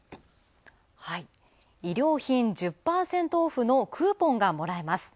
衣料品１０％オフのクーポンがもらえます。